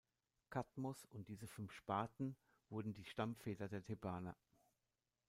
Kadmos und diese fünf Sparten wurden die Stammväter der Thebaner.